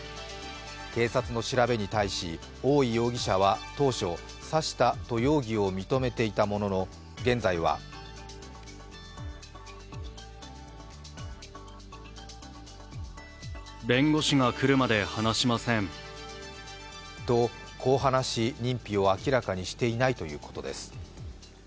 警察の調べに対し、大井容疑者は当初、刺したと容疑を認めていたものの、現在はこう話し、認否を明らかにしていないということです。